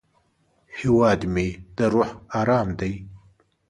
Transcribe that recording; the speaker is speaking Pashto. هیواد مې د روح ارام دی